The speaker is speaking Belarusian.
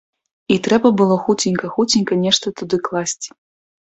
І трэба было хуценька-хуценька нешта туды класці.